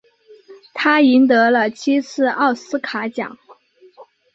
他赢得了七次奥斯卡奖。